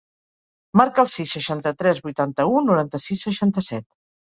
Marca el sis, seixanta-tres, vuitanta-u, noranta-sis, seixanta-set.